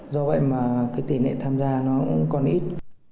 do vậy mà cái tỉ nệ tham gia nó còn ít